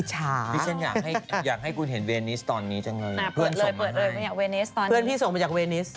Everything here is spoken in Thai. หายไปหมดเลยเรือแทบจะไม่ต้องพา